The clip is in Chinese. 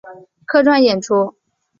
客串演出